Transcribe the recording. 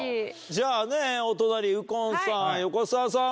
じゃあねお隣右近さん横澤さん